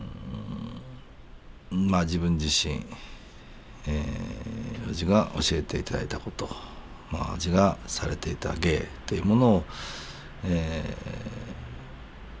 まあ自分自身叔父が教えていただいたことまあ叔父がされていた芸っていうものをええま